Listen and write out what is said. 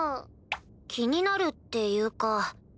気になるっていうか。